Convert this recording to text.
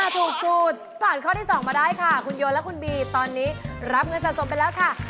ถูกสุดผ่านข้อที่๒มาได้ค่ะคุณโยนและคุณบีตอนนี้รับเงินสะสมไปแล้วค่ะ